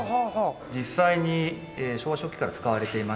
実際に昭和初期から使われていました